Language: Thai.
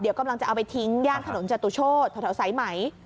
เดี๋ยวกำลังจะเอาไปทิ้งย่างถนนจตุโชชท้อไซมัย